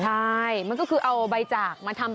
ใช่มันก็คือเอาใบจากมาทำ